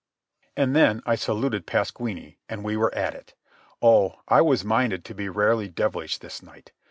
And then I saluted Pasquini, and we were at it. Oh, I was minded to be rarely devilish this night.